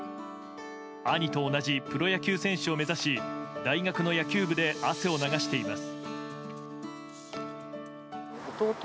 兄と同じプロ野球選手を目指し大学の野球部で汗を流しています。